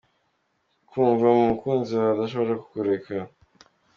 Kumva ko umukunzi wawe adashobora kukureka.